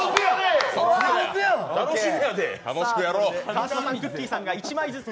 川島さん、くっきー！さんが１枚ずつ。